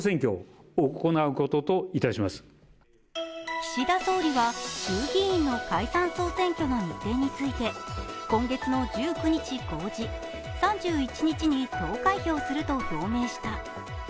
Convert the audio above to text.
岸田総理は衆議院の解散総選挙の日程について今月の１９日公示、３１日に投開票すると表明した。